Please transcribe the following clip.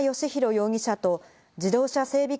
容疑者と、自動車整備